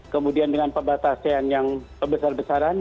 kemudian dengan pembatasan yang besar besaran